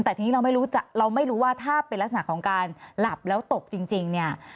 แต่ทีนี้เราไม่รู้ว่าถ้าเป็นลักษณะของการหลับแล้วตกจริง